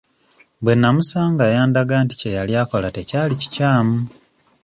Bwe nnamusanga yandaga nti kye yaliko tekyali kikyamu.